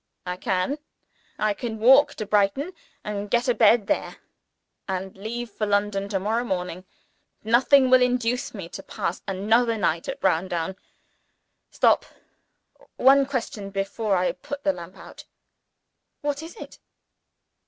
"I can! I can walk to Brighton, and get a bed there, and leave for London to morrow morning. Nothing will induce me to pass another night at Browndown. Stop! One question before I put the lamp out." "What is it?"